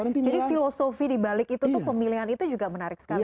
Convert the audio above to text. jadi filosofi dibalik itu pemilihan itu juga menarik sekali ya